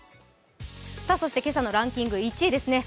そして今朝のランキング１位ですね。